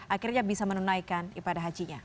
akhirnya bisa menunaikan ibadah hajinya